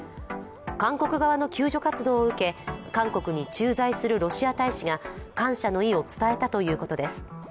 韓国側の救助活動を受け、韓国に駐在するロシア大使が感謝の意を伝えたということです。